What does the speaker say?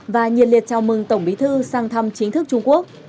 và nhiệt liệt chào mừng tổng bí thư sang thăm chính thức trung quốc